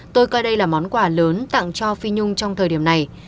tôi coi đây là món quà lớn tặng cho phi nhung trong thời điểm này